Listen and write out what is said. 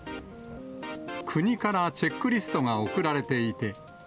国からチェックリストが送られていて。